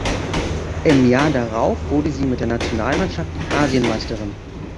Im Jahr darauf wurde sie mit der Nationalmannschaft Asienmeisterin.